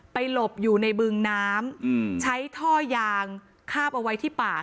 หลบอยู่ในบึงน้ำใช้ท่อยางคาบเอาไว้ที่ปาก